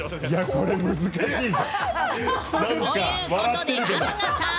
これ難しいぞ。